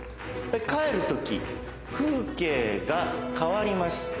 帰るとき風景が変わります。